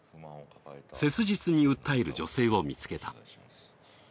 切実に訴える女性を見つけた。